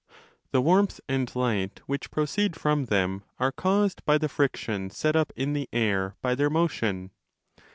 The warmth and light which proceed from them are caused by the friction 20 set up in the air by their motion.